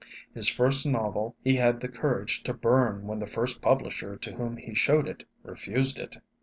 His first novel he had the courage to burn when the first publisher to whom he showed it refused it.